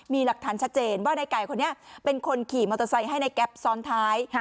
มีหลักฐานชัดเจนว่าในไก่คนนี้เป็นคนขี่มอเตอร์ไซค์ให้ในแก๊ปซ้อนท้าย